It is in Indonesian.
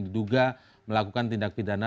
diduga melakukan tindak pidana